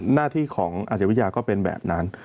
หน้าที่ของอาเจวิทยาก็เป็นแบบนั้น